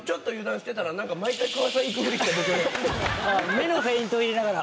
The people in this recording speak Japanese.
目のフェイント入れながら。